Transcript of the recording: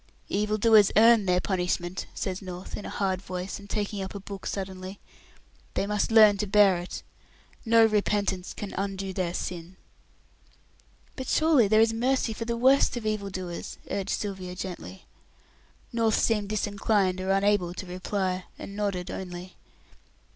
"Evil doers earn their punishment," says North, in a hard voice, and taking up a book suddenly. "They must learn to bear it. No repentance can undo their sin." "But surely there is mercy for the worst of evil doers," urged Sylvia, gently. North seemed disinclined or unable to reply, and nodded only.